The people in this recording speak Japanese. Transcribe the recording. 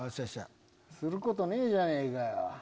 することねえじゃねぇかよ。